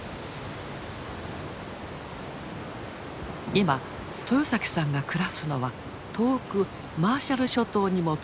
今豊さんが暮らすのは遠くマーシャル諸島にも続く太平洋を望む町。